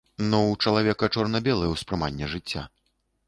Ну ў чалавека чорна-белае ўспрыманне жыцця.